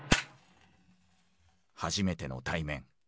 初めての対面。